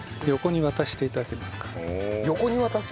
横に渡す？